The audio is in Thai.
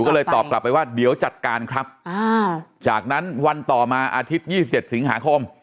ก็เลยตอบกลับไปว่าเดี๋ยวจัดการครับจากนั้นวันต่อมาอาทิตยี่สิบเจ็ดสิงหาคม